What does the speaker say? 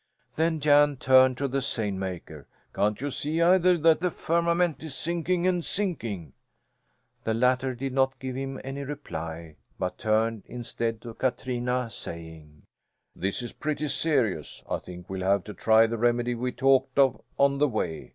Then Jan turned to the seine maker. "Can't you see either that the firmament is sinking and sinking?" The latter did not give him any reply, but turned instead to Katrina, saying: "This is pretty serious. I think we'll have to try the remedy we talked of on the way.